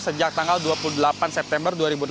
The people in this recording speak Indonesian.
sejak tanggal dua puluh delapan september